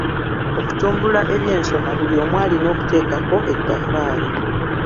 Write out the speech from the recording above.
Okutumbula ebyensoma buli omu alina okuteekako ettaffaali.